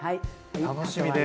楽しみです。